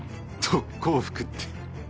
特攻服って